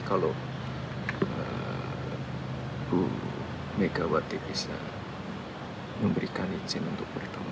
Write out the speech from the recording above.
kalau bu megawati bisa memberikan izin untuk bertemu